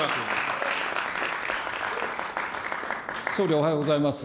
総理、おはようございます。